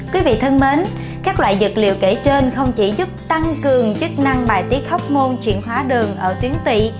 quý vị thân mến các loại dược liệu kể trên không chỉ giúp tăng cường chức năng bài tiết hóc môn chuyển hóa đường ở tuyến tị